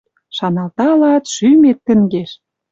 Шаналталат — шӱмет тӹнгеш! —